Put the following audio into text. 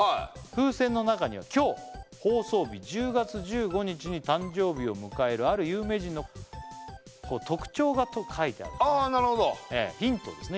風船の中には今日放送日１０月１５日に誕生日を迎えるある有名人の特徴が書いてあるあなるほどええヒントですね